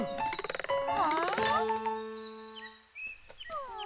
うん？